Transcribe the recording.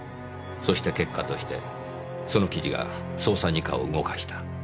そして結果としてその記事が捜査二課を動かした。